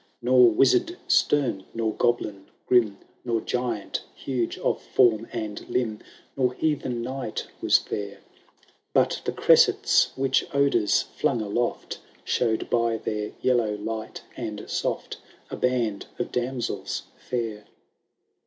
Nor wizard stem, nor goblin grim. Nor giant huge cf form and limb. Nor heathen knight, was there ; But the cressets, which odours flung aloft, Showed by their yellow lig^t and soft, A band of damsels fiur.